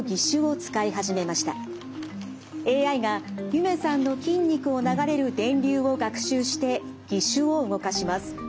ＡＩがゆめさんの筋肉を流れる電流を学習して義手を動かします。